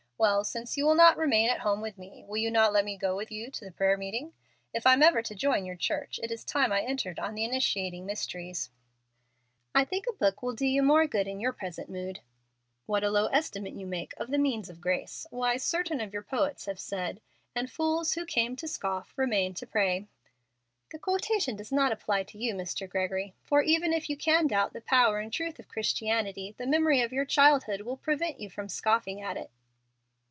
Well, since you will not remain at home with me, will you not let me go with you to the prayer meeting? If I'm ever to join your church, it is time I entered on the initiating mysteries." "I think a book will do you more good in your present mood." "What a low estimate you make of the 'means of grace'! Why, certain of your own poets have said, 'And fools who came to scoff remained to pray.'" "The quotation does not apply to you, Mr. Gregory. For, even if you can doubt the power and truth of Christianity, the memory of your childhood will prevent you from scoffing at it."